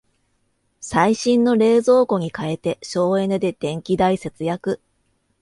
最新の冷蔵庫に替えて省エネで電気代節約